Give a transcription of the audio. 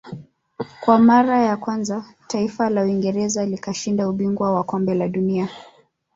Kwa mara ya kwanza taifa la Uingereza likashinda ubingwa wa kombe la dunia